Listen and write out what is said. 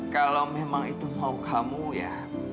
kalau memang itu mau kamu ya